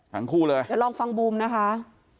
ทั้งคู่เลยเดี๋ยวลองฟังบูมนะคะ